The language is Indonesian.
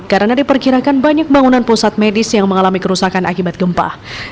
karena diperkirakan banyak bangunan pusat medis yang mengalami kerusakan akibat gempa